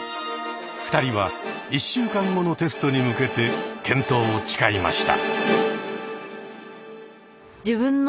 ２人は１週間後のテストに向けて健闘を誓いました。